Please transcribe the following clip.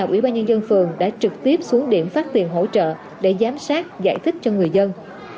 ủy ban nhân dân phường đã trực tiếp xuống điểm phát tiền hỗ trợ để giám sát giải thích cho người dân